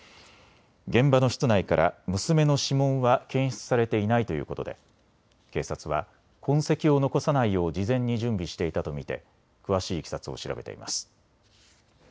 現場の室内から娘の指紋は検出されていないということで警察は痕跡を残さないよう事前に準備していたと見て詳しいいきさつを調べています。